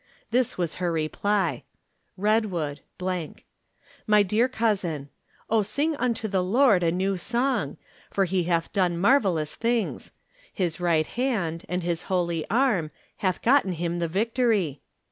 This was her reply : Redwood, . My Dear Cousin :" O sing unto the Lord a new song : for he hath done marvelous things. His right hand, and his holy arm, hath gotten him the victory."